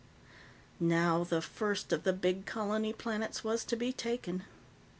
Now, the first of the big colony planets was to be taken.